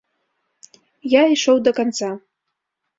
Я ішоў да канца.